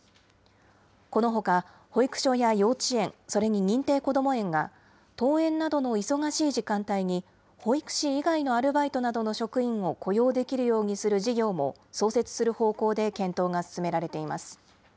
このほか、保育所や幼稚園、それに認定こども園が、登園などの忙しい時間帯に、保育士以外のアルバイトなどの職員を雇用できるようにする事業も創設する方向で検討が進められています。